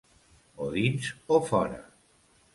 O dins o fora.